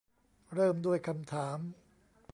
เริ่มด้วยคำถาม